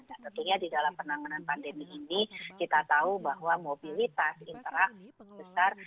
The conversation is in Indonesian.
nah tentunya di dalam penanganan pandemi ini kita tahu bahwa mobilitas interaksi besar